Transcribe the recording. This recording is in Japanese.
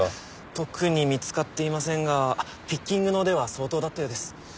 特に見つかっていませんがピッキングの腕は相当だったようです。